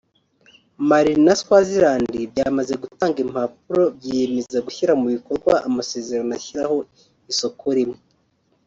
Mali na Swaziland byamaze gutanga impapuro byiyemeza gushyira mu bikorwa amasezerano ashyiraho Isoko Rimwe